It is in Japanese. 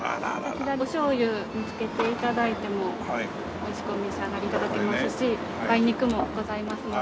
こちらお醤油につけて頂いてもおいしくお召し上がり頂けますし梅肉もございますので。